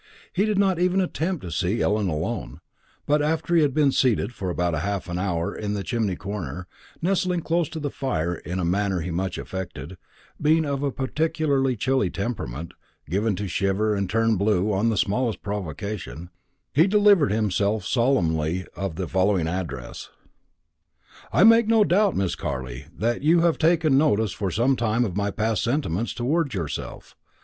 He did not even attempt to see Ellen alone; but after he had been seated for about half an hour in the chimney corner, nestling close to the fire in a manner he much affected, being of a particularly chilly temperament, given to shiver and turn blue on the smallest provocation, he delivered himself solemnly of the following address: "I make no doubt, Miss Carley, that you have taken notice for some time past of my sentiments towards yourself.